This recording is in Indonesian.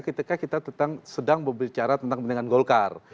ketika kita sedang berbicara tentang kepentingan golkar